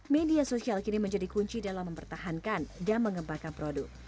media sosial kini menjadi kunci dalam mempertahankan dan mengembangkan produk